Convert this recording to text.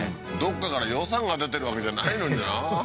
どっかから予算が出てるわけじゃないのにな